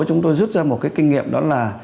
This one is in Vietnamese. chúng tôi rút ra một kinh nghiệm đó là